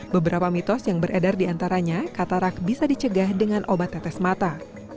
beberapa mitos yang beredar diantaranya katarak bisa dicegah dengan obat tetes mata